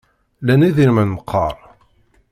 Lan idrimen meqqar?